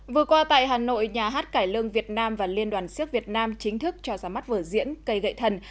vừa qua tại hà nội nhà hát cải lương việt nam và liên đoàn siếc việt nam chính thức cho ra mắt vở diễn cây gậy thần